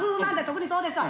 特にそうですわ。